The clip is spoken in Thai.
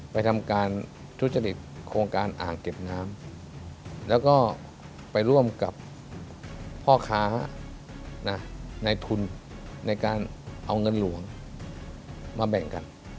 ไปทำการทุจริตโครงการอ่างเก็บน้ำแล้วก็ไปร่วมกับพ่อค้าในทุนในการเอาเงินหลวงมาแบ่งกัน